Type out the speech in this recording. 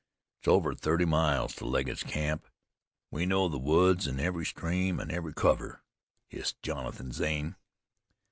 "It's over thirty miles to Legget's camp. We know the woods, an' every stream, an' every cover," hissed Jonathan Zane.